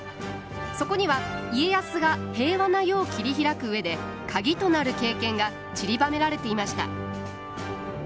そこには家康が平和な世を切り開く上で鍵となる経験がちりばめられていました。